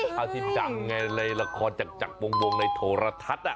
ที่ดังไงในละครจากวงในโทรทัศน์